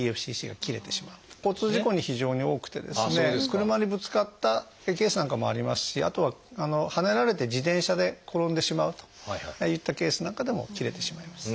車にぶつかったケースなんかもありますしあとははねられて自転車で転んでしまうといったケースなんかでも切れてしまいます。